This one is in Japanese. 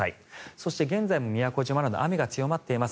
そして、現在も宮古島など雨が強まっています。